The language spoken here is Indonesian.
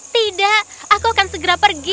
tidak aku akan segera pergi